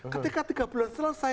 ketika tiga bulan selesai